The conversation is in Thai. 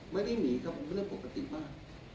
ไม่ได้หนีครับผมเป็นเรื่องปกติมาก